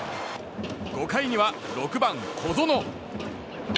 ５回には６番、小園。